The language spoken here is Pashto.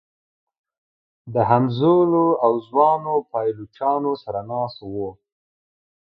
د همزولو او ځوانو پایلوچانو سره ناست و.